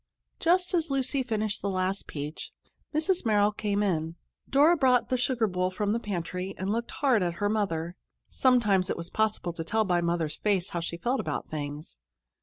Just as Lucy finished the last peach, Mrs. Merrill came in. Dora brought the sugar bowl from the pantry and looked hard at her mother. Sometimes it was possible to tell by Mother's face how she felt about things.